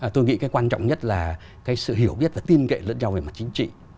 tôi nghĩ cái quan trọng nhất là cái sự hiểu biết và tin cậy lẫn nhau về mặt chính trị